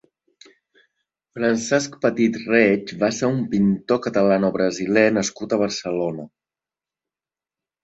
Francesc Petit Reig va ser un pintor catalano-brasiler nascut a Barcelona.